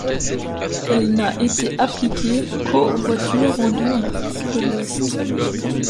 Elle n'a été appliquée qu'aux voitures vendues en Afrique de l'ouest.